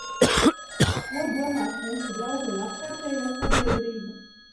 Ko domās mūsu draugi un apkārtējā sabiedrība?